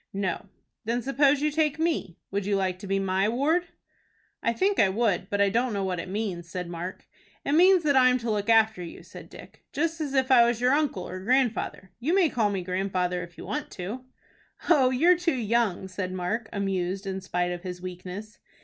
"No." "Then suppose you take me. Would you like to be my ward?" "I think I would, but I don't know what it means," said Mark. "It means that I'm to look after you," said Dick, "just as if I was your uncle or grandfather. You may call me grandfather if you want to." "Oh, you're too young," said Mark, amused in spite of his weakness.